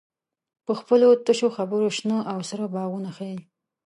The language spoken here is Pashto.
په خپلو تشو خبرو شنه او سره باغونه ښیې.